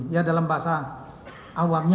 ya dalam bahasa awalnya